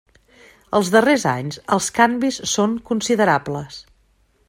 Els darrers anys els canvis són considerables.